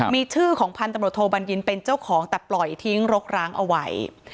มีชื่อของพันธุ์ตำรวจโทบัญญินเป็นเจ้าของแต่ปล่อยทิ้งรกร้างเอาไว้